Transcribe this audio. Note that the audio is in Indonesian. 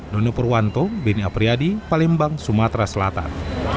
dono purwanto bini apriyadi palembang sumatera selatan